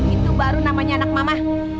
itu baru namanya anak mama